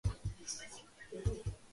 შემოდის მეჩხერ ყინულებში.